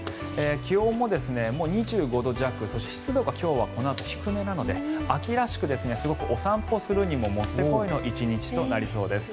気温ももう２５度弱そして、湿度が今日はこのあと低めなので秋らしく、すごくお散歩するにももってこいの１日となりそうです。